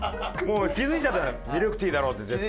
もう気づいちゃったから「ミルクティー」だろって絶対。